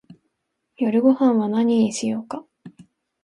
夜ごはんは何にしようか